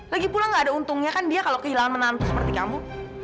lagi pula gak ada untungnya kan dia kalau kehilangan menantu seperti kamu